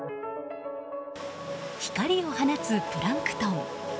光を放つプランクトン。